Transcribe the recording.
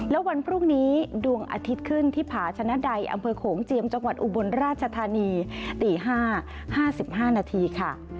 แล้ววันพรุ่งนี้ดวงอาทิตย์ขึ้นที่ผาชนะใดอำเภอโขงเจียมจังหวัดอุบลราชธานีตี๕๕นาทีค่ะ